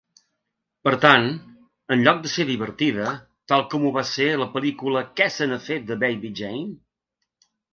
Per tant, en lloc de ser divertida, tal com ho va ser la pel·lícula Què se n'ha fet, de Baby Jane?